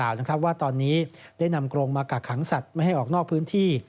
ว่าตอนนี้ได้นำกรงมากักขังสัตว์ไม่ให้ออกนอกพื้นที่